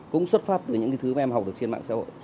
cũng xuất phát từ những thứ các em học được trên mạng xã hội